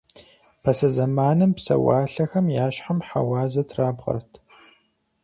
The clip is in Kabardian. Пасэ зэманым псэуалъэхэм я щхьэм хьэуазэ трабгъэрт.